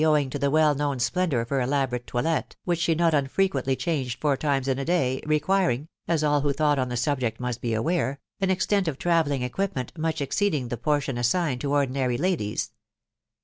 owing to the well known splendour of her elaborate toilet, which she not unfrequentry changed four times in a day, requiring — as all who thought on the subject must be aware —an extent of travelling equipment much exceeding the portion assigned to ordinary ladies.